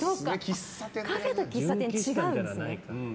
カフェと喫茶店、違うんですね。